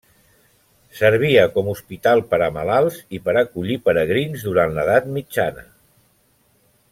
Servia com hospital per a malalts i per acollir peregrins durant l'Edat Mitjana.